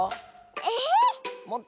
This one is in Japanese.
えっ？